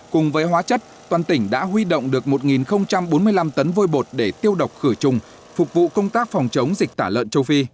cùng với hóa chất toàn tỉnh đã huy động được một bốn mươi năm tấn vôi bột để tiêu độc khử trùng phục vụ công tác phòng chống dịch tả lợn châu phi